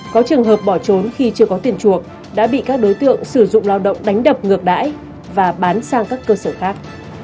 có trường hợp bỏ trốn khi chưa có tiền chuộc đã bị các đối tượng sử dụng lao động đánh đập ngược đãi và bán sang các cơ sở khác